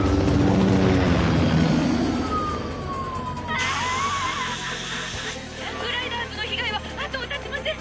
「ギャングライダーズの被害はあとを絶ちません」